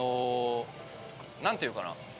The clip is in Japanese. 何ていうかな。